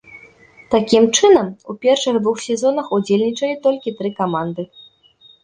Такім чынам, у першых двух сезонах удзельнічалі толькі тры каманды.